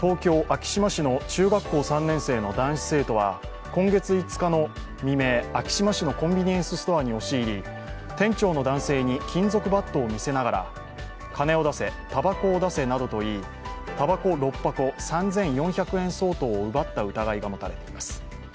東京・昭島市の中学校３年生の男子生徒は今月５日の未明昭島市のコンビニエンスストアに押し入り、店長の男性に金属バットを見せながら、「金を出せ、たばこを出せ」などと言いたばこ６箱、３４００円相当を奪った疑いが持たれています。